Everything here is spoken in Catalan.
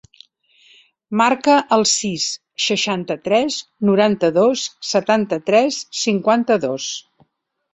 Marca el sis, seixanta-tres, noranta-dos, setanta-tres, cinquanta-dos.